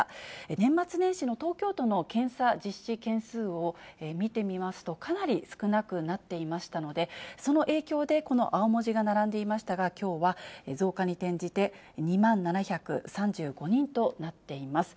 年末年始の東京都の検査実施件数を見てみますと、かなり少なくなっていましたので、その影響で、この青文字が並んでいましたが、きょうは増加に転じて、２万７３５人となっています。